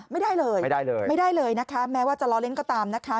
ไม่ได้เลยไม่ได้เลยไม่ได้เลยนะคะแม้ว่าจะล้อเล่นก็ตามนะคะ